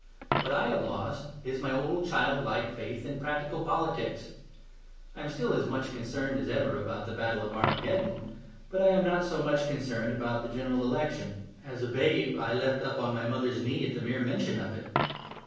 What I have lost is my old childlike faith in practical politics. I am still as much concerned as ever about the Battle of Armageddon; but I am not so much concerned about the General Election. As a babe I leapt up on my mother's knee at the mere mention of it.